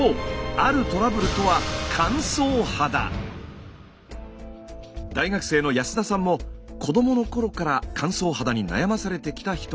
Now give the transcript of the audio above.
あるトラブルとは大学生の安田さんも子どもの頃から乾燥肌に悩まされてきた一人。